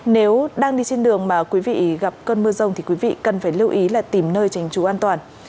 nếu đang đi trên đường mà quý vị gặp cơn mưa rông thì quý vị cần phải lưu ý là tìm nơi tránh trú an toàn